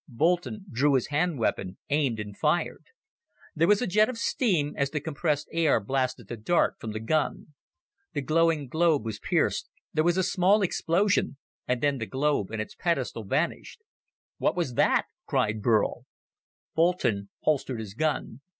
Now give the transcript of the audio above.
Boulton drew his hand weapon, aimed and fired. There was a jet of steam as the compressed air blasted the dart from the gun. The glowing globe was pierced, there was a small explosion, and then the globe and its pedestal vanished. "What was that?" cried Burl. Boulton holstered his gun.